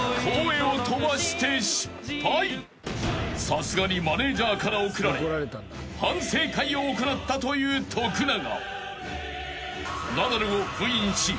［さすがにマネジャーから怒られ反省会を行ったという徳永］